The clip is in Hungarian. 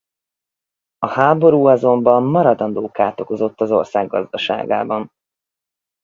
A háború azonban maradandó kárt okozott az ország gazdaságában.